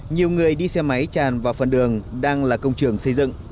nhiều người đi xe máy tràn vào phần đường đang là công trường xây dựng